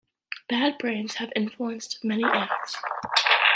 Bad Brains have influenced many acts.